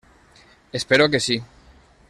Espero que sí.